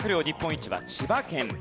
日本一は千葉県。